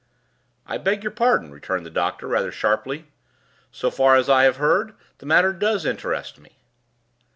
"I beg your pardon," returned the doctor, rather sharply; "so far as I have heard, the matter does interest me."